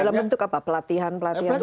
dalam bentuk apa pelatihan pelatihan